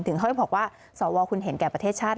เขาจะบอกว่าสวคุณเห็นแก่ประเทศชาติ